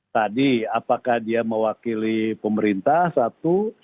tadi apakah dia mewakili pemerintah satu